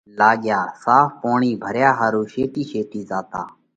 لاڳيا صاف پوڻِي ڀريا ۿارُو شيٽي شيتي زاتا۔